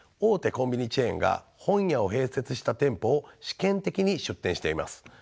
コンビニチェーンが本屋を併設した店舗を試験的に出店しています。